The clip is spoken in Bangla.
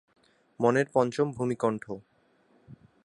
মনের পঞ্চম ভূমি কণ্ঠ।